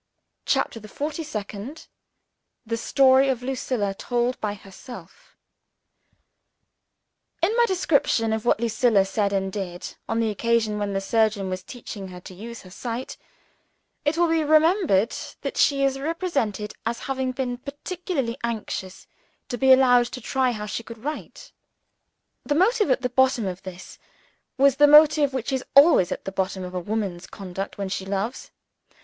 CHAPTER THE FORTY SECOND The Story of Lucilla: told by Herself IN my description of what Lucilla said and did, on the occasion when the surgeon was teaching her to use her sight, it will be remembered that she is represented as having been particularly anxious to be allowed to try how she could write. The motive at the bottom of this was the motive which is always at the bottom of a woman's conduct when she loves.